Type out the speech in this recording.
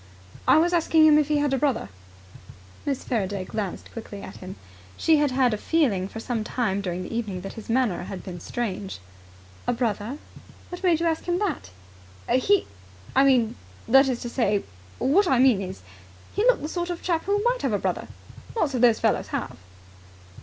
"I was asking him if he had a brother." Miss Faraday glanced quickly at him. She had had a feeling for some time during the evening that his manner had been strange. "A brother? What made you ask him that?" "He I mean that is to say what I mean is, he looked the sort of chap who might have a brother. Lots of those fellows have!"